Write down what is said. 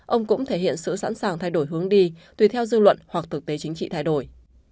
ông cũng thể hiện sự sẵn sàng thay đổi hướng đi tùy theo dư luận hoặc thực tế chính trị thay đổi